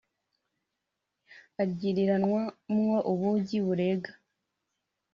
aryiriranwa mwo ubugi, burega